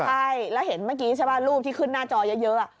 ใช่แล้วเห็นเมื่อกี้ใช่ป่ะรูปที่ขึ้นหน้าจอเยอะ